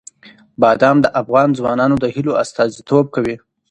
بادام د افغان ځوانانو د هیلو استازیتوب کوي.